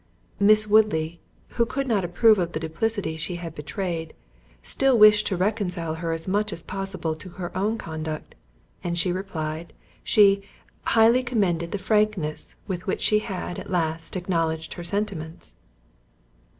Miss Woodley, who could not approve of the duplicity she had betrayed, still wished to reconcile her as much as possible to her own conduct, and replied, she "Highly commended the frankness with which she had, at last, acknowledged her sentiments."